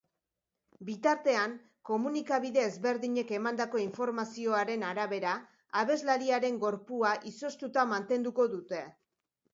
Bitartean, komunikabide ezberdinek emandako informazioaren arabera, abeslariaren gorpua izoztuta mantenduko dute.